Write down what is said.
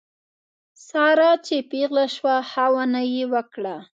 ساره چې پېغله شوه ښه ونه یې وکړه.